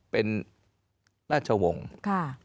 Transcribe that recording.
เป็นราชวงศ์